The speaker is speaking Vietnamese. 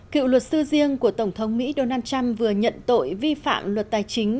cựu luật sư riêng của tổng thống mỹ donald trump vừa nhận tội vi phạm luật tài chính